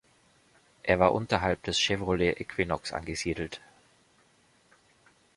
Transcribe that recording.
Er war unterhalb des Chevrolet Equinox angesiedelt.